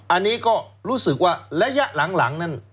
อันนี้ก็รู้สึกว่าระยะหลังนั้น